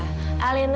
kamu tahu dari mana